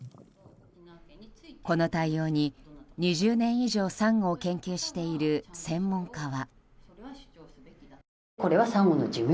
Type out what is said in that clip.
この対応に２０年以上、サンゴを研究している専門家は。